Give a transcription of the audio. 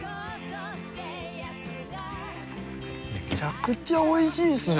めちゃくちゃおいしいっすね。